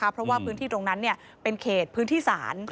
เพราะว่าพื้นที่ตรงนั้นเป็นเขตพื้นที่ศาล